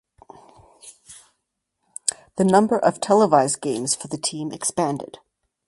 The number of televised games for the team expanded.